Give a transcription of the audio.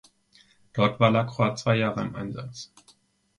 Dort war Lacroix zwei Jahre im Einsatz.